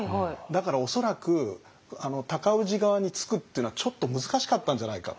だから恐らく尊氏側につくっていうのはちょっと難しかったんじゃないか。